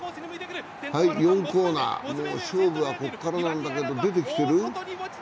はい、４コーナー、勝負はここからなんだけど出てきてる？